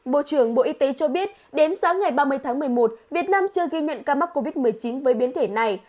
bộ trưởng bộ y tế cho biết đến sáng ngày ba mươi tháng một mươi một việt nam chưa ghi nhận ca mắc covid một mươi chín với biến thể này